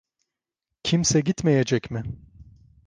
Kimse gitmeyecek mi?